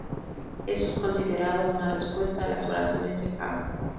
Eso es considerado una respuesta a las oraciones de Jacob.